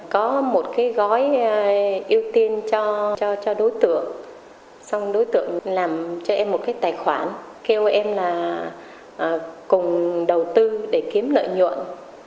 có một cái gói ưu tiên cho đối tượng xong đối tượng làm cho em một cái tài khoản kêu em là cùng đầu tư để kiếm lợi nhuận